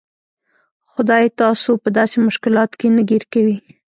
خدای تاسو په داسې مشکلاتو کې نه ګیر کوي.